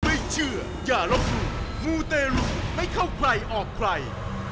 ไม่เชื่ออย่าล้มหลุมมู้ต้องตายหรือไม่หลุมให้เข้าใครออกใคร